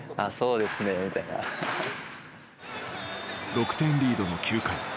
６点リードの９回。